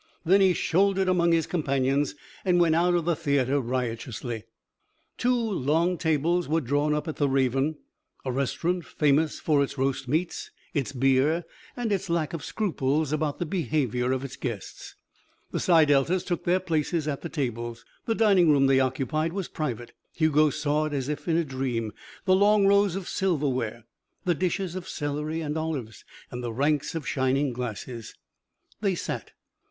Then he shouldered among his companions and went out of the theatre riotously. Two long tables were drawn up at the Raven, a restaurant famous for its roast meats, its beer, and its lack of scruples about the behaviour of its guests. The Psi Deltas took their places at the tables. The dining room they occupied was private. Hugo saw as if in a dream the long rows of silverware, the dishes of celery and olives, and the ranks of shining glasses. They sat.